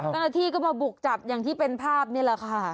เจ้าหน้าที่ก็มาบุกจับอย่างที่เป็นภาพนี่แหละค่ะ